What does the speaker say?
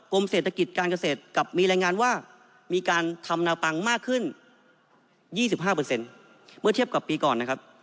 เศรษฐกิจการเกษตรกลับมีรายงานว่ามีการทำแนวปังมากขึ้น๒๕เมื่อเทียบกับปีก่อนนะครับ